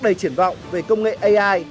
đầy triển vọng về công nghệ ai